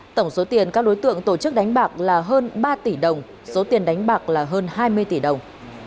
tổng số tiền các đối tượng tổ chức đánh bạc là hơn ba tỷ đồng số tiền đánh bạc là hơn hai mươi tỷ đồng